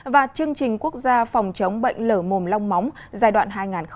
và chương trình quốc gia phòng chống bệnh lở mồm long móng giai đoạn hai nghìn một mươi sáu hai nghìn hai mươi năm